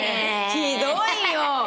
ひどいよ！